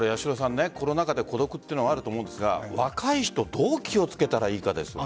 コロナ禍で孤独というのはあると思うんですが若い人どう気をつけたらいいかですよね。